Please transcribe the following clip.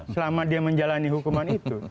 selama dia menjalani hukuman itu